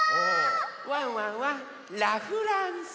ワンワンはラ・フランス。